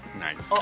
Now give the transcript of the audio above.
あ。